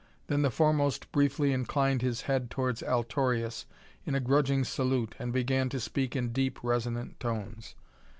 Then the foremost briefly inclined his head towards Altorius in a grudging salute and began to speak in deep, resonant tones.